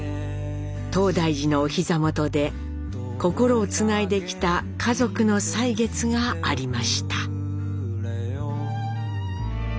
東大寺のお膝元で心をつないできた家族の歳月がありました。